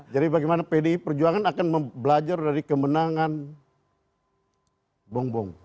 jadi bagaimana pdi perjuangan akan belajar dari kemenangan bong bong